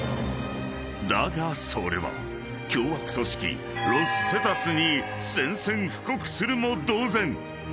［だがそれは凶悪組織ロス・セタスに宣戦布告するも同然］